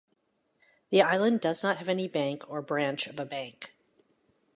The island does not have any bank or a branch of a bank.